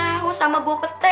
dia kagak ngaruh sama bau petek